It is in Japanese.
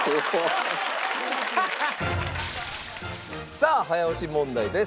さあ早押し問題です。